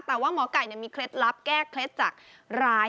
แต่ว่าหมอไก่มีเคล็ดลับแก้เคล็ดจากร้าย